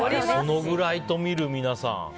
そのぐらいと見るのか、皆さん。